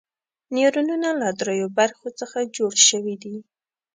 نیورونونه له دریو برخو څخه جوړ شوي دي.